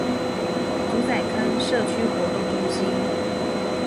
竹仔坑社區活動中心